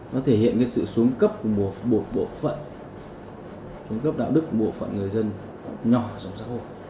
nó thể hiện sự xuống cấp của một bộ phận xuống cấp đạo đức của một bộ phận người dân nhỏ trong xã hội